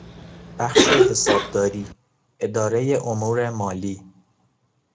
بخش حسابداری، ادارهی امور مالی